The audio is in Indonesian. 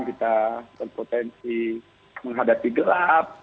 kita berpotensi menghadapi gelap